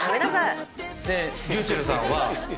ｒｙｕｃｈｅｌｌさんは。